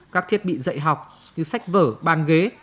các thiết bị dạy học như sách vở bàn ghế